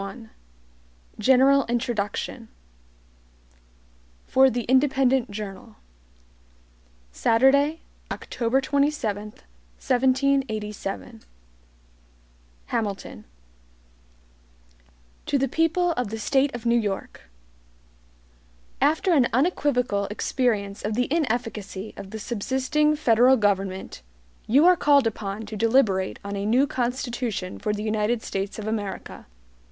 1 General Introduction For the Independent Journal. Saturday, October 27, 1787 HAMILTON To the People of the State of New York: AFTER an unequivocal experience of the inefficacy of the subsisting federal government, you are called upon to deliberate on a new Constitution for the United States of America.